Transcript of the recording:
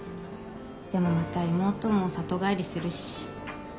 でもまた妹も里帰りするし。